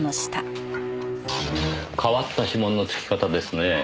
変わった指紋の付き方ですねえ。